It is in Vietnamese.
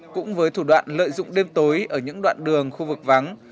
cũng với thủ đoạn lợi dụng đêm tối ở những đoạn đường khu vực vắng